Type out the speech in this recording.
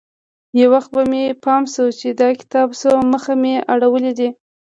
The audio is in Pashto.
يو وخت به مې پام سو چې د کتاب څو مخه مې اړولي دي.